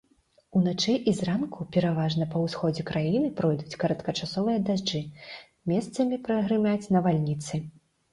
Уначы і зранку пераважна па ўсходзе краіны пройдуць кароткачасовыя дажджы, месцамі прагрымяць навальніцы.